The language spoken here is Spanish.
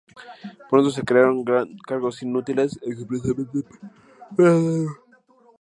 Pronto se crearon cargos inútiles, expresamente para venderlos.